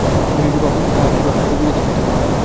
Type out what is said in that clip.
তুমি ঋজুস্বভাব, কাহার কি ভাব কিছুই বুঝিতে চেষ্টা কর না।